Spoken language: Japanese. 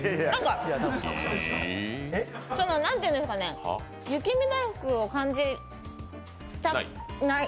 ええ何て言うんですかね雪見だいふくを感じない。